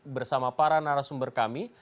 bersama para narasumber kami